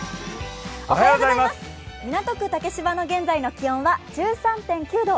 港区竹芝の現在の気温は１３．９度。